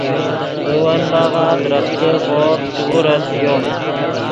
دے ون باغہ درختے ڤورغ چے غورت ڤیو